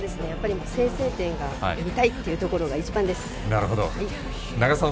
先制点が見たいっていうところが一番です。